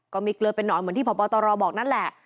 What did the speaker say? ก็มีเกลือเป็นหนอนเหมือนที่พอโป้ตัวรอบอกนั่นแหละ